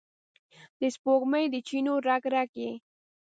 د سپوږمۍ د چېنو رګ، رګ یې،